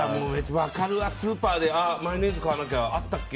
分かるわ、スーパーでマヨネーズ買わなきゃあったっけ？